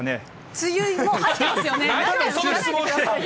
梅雨、もう入ってますよね。